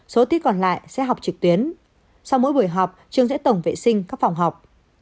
các tiết còn lại sẽ học trực tuyến sau mỗi buổi học trường sẽ tổng vệ sinh các phòng học